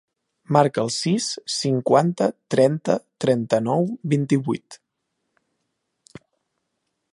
Marca el sis, cinquanta, trenta, trenta-nou, vint-i-vuit.